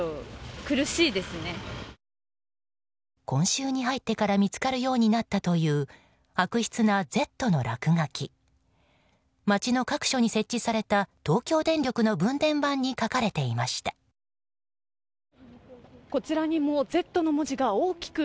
今週に入ってから見つかるようになったという悪質な「Ｚ」の落書き。